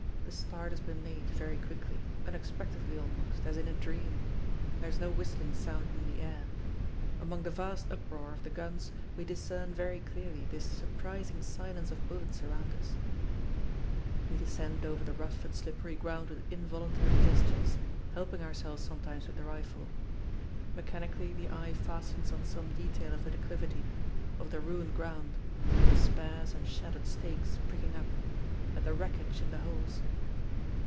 The start has been made very quickly, unexpectedly almost, as in a dream. There is no whistling sound in the air. Among the vast uproar of the guns we discern very clearly this surprising silence of bullets around us We descend over the rough and slippery ground with involuntary gestures, helping ourselves sometimes with the rifle. Mechanically the eye fastens on some detail of the declivity, of the ruined ground, on the sparse and shattered stakes pricking up, at the wreckage in the holes.